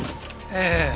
ええ。